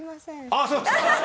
あっそうですか？